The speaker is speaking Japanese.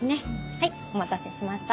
はいお待たせしました。